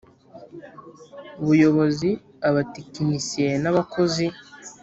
buyobozi abatekinisiye n abakozi